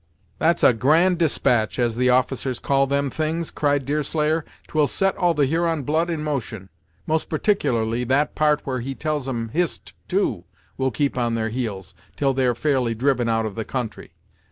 "That's a grand despatch, as the officers call them things!" cried Deerslayer; "'twill set all the Huron blood in motion; most particularily that part where he tells 'em Hist, too, will keep on their heels 'til they're fairly driven out of the country.